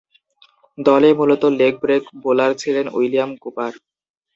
দলে মূলতঃ leg break bowler ছিলেন উইলিয়াম কুপার।